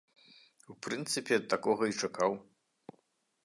У прынцыпе, такога і чакаў.